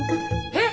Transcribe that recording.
えっ！